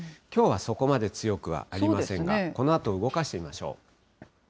きょうはそこまで強くはありませんが、このあと動かしてみましょう。